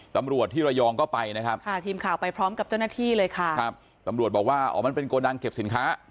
ตำรวจที่ระยองก็ไปนะครับค่ะทีมข่าวไปพร้อมกับเจ้าหน้าที่เลยค่ะครับตำรวจบอกว่าอ๋อมันเป็นโกดังเก็บสินค้า